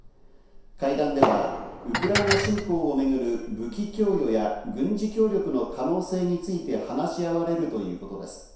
会談では、ウクライナ侵攻を巡る武器供与や軍事協力の可能性について話し合われるということです。